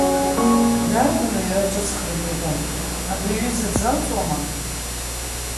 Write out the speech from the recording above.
Дарбану иара дҿызхраны иҟоу, абри аҩыза дзалҵуама?